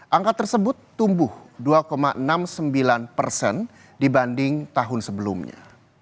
angka tersebut tumbuh dua enam puluh sembilan persen dibanding tahun sebelumnya